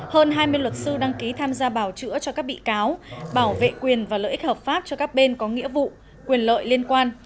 hơn hai mươi luật sư đăng ký tham gia bảo chữa cho các bị cáo bảo vệ quyền và lợi ích hợp pháp cho các bên có nghĩa vụ quyền lợi liên quan